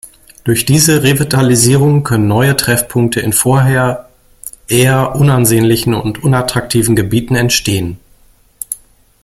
Durch diese Revitalisierung können neue Treffpunkte in vorher eher unansehnlichen und unattraktiven Gebieten entstehen.